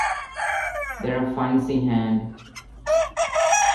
There are funds in hand.